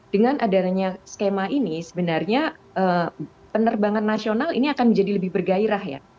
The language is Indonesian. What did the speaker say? dengan adanya skema ini sebenarnya penerbangan nasional ini akan menjadi lebih bergairah ya